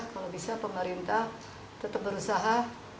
kalau bisa pemerintah tetap berusaha